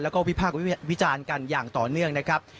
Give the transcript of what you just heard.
แล้วก็วิพากษ์วิจารณ์กันอย่างต่อเนื่องนะครับ